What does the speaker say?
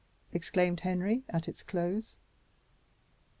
exclaimed Henry at its close.